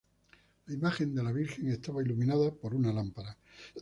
La imagen de la Virgen estaba iluminada por una lámpara.